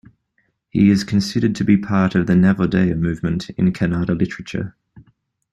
He is considered to be part of the Navodaya movement in Kannada literature.